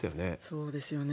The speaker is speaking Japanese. そうですよね。